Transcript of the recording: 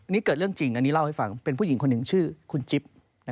นี่เกิดเรื่องจริงอันนี้เล่าให้ฟังเป็นผู้หญิงคนหนึ่งชื่อคุณจิ๊บ